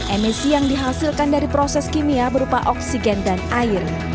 emisi yang dihasilkan dari proses kimia berupa oksigen dan air